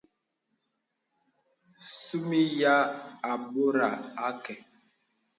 Sūmī yà àbōrà àkə.